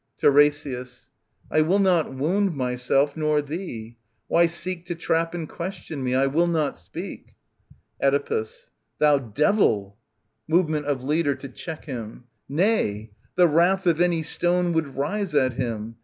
TlRESIAS. X^^'^r*"" I will not wound myself nor thee. Why seek / j To trap and question me ? I will not speak. Oedipus. Thou devil I [Movement «/" Leader to check himX Nay ; the wrath of any stone Would rise at him.